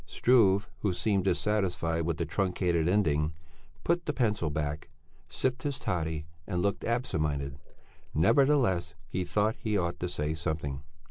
Struve, who seemed dissatisfied with the truncated ending, put the pencil back, sipped his toddy and looked absent minded. Nevertheless, he thought he ought to say something.